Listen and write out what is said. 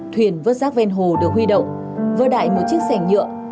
thuyền vớt rác ven hồ được huy động vơ đại một chiếc sẻng nhựa